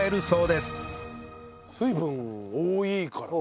水分多いからね。